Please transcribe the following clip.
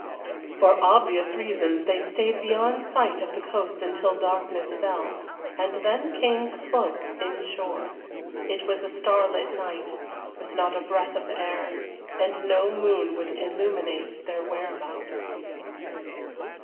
For obvious reasons they stayed beyond sight of the coast until darkness fell, and then came close inshore. It was a starlit night, with not a breath of air, and no moon would illuminate their whereabouts.